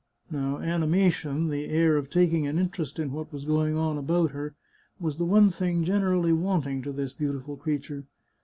Now animation, the air of taking an interest in what was going on about her, was the one thing generally wanting to this beautiful creature.